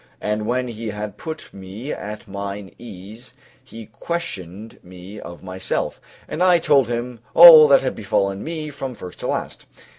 And when he had put me at mine ease he questioned me of myself, and I told him all that had befallen me from first to last.